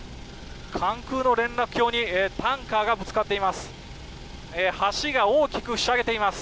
関空の連絡橋にタンカーがぶつかっています。